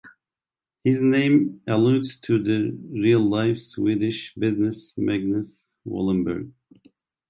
His name alludes to the real-life Swedish business magnates Wallenberg.